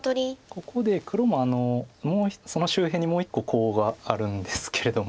ここで黒もその周辺にもう１個コウがあるんですけれども。